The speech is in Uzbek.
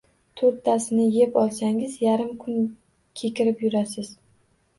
To‘rttasini yeb olsangiz, yarim kun kekirib yurasiz.